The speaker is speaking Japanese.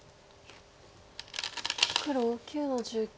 黒９の十九。